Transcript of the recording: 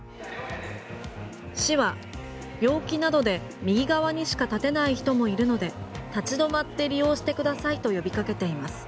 市は病気などで右側にしか立てない人もいるので立ち止まって利用してくださいと呼びかけています。